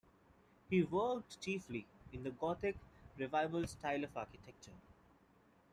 He worked chiefly in the Gothic revival style of architecture.